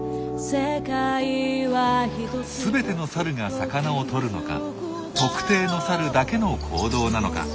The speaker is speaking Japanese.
全てのサルが魚をとるのか特定のサルだけの行動なのか。